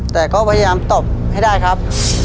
แต่ก็พยายามตอบให้ได้ครับ